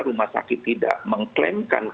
rumah sakit tidak mengklaimkan